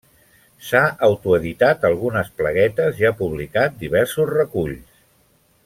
S'ha autoeditat algunes plaguetes i ha publicat diversos reculls.